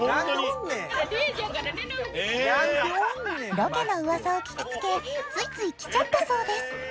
ロケの噂を聞きつけついつい来ちゃったそうです